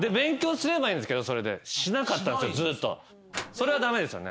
それは駄目ですよね。